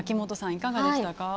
いかがでしたか？